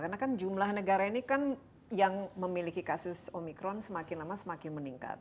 karena kan jumlah negara ini kan yang memiliki kasus omikron semakin lama semakin meningkat